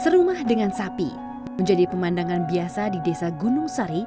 serumah dengan sapi menjadi pemandangan biasa di desa gunung sari